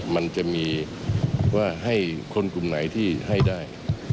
มันจะมีว่าให้คนกลุ่มไหนที่ให้ได้